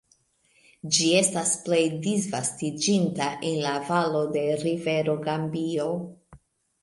Ĝi estas plej disvastiĝinta en la valo de rivero Gambio.